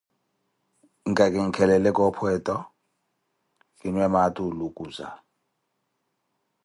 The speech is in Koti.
Nka kinkelele coopho eto, kinwe maati oolukuza.